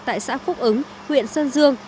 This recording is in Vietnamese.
tại xã phúc ứng huyện sơn dương